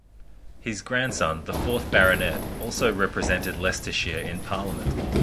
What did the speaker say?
His grandson, the fourth Baronet, also represented Leicestershire in Parliament.